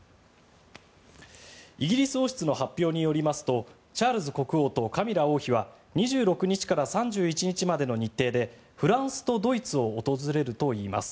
イギリス王室の発表によりますとチャールズ国王とカミラ王妃は２６日から３１日までの日程でフランスとドイツを訪れるといいます。